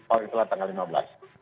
paling telah tanggal lima belas